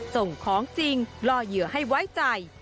ส่งของจริงล่อเหยื่อให้ไว้ใจ